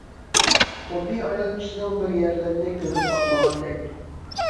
خۇددى ئايال كىشىنىڭ بىر يەرلىرىنى كۆرۈپ باقمىغاندەك.